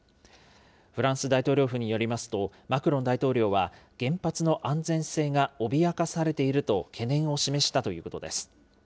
フランス大統領府によりますと、マクロン大統領は、原発の安全性が脅かされていると懸念を示したということです。